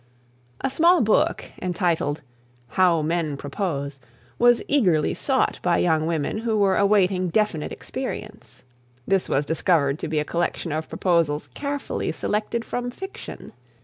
A small book entitled: How Men Propose, was eagerly sought by young women who were awaiting definite experience. This was discovered to be a collection of proposals carefully selected from fiction.